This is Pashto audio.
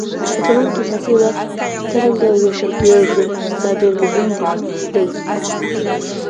په ټولنه کې سیاسي واک څرنګه وېشل کېږي دا ډېر مهم دی.